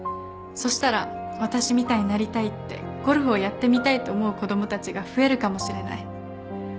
そしたら私みたいになりたいってゴルフをやってみたいと思う子供たちが増えるかもしれない。